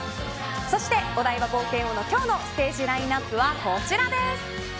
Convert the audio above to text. そしてお台場冒険王の今日のステージラインアップはこちらです。